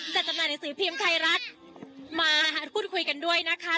จัดจำนาญศีพรีมไทยรัฐมาคุดคุยกันด้วยนะคะ